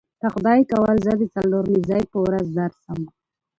که خدای کول زه د څلورنیځې په ورځ درسم.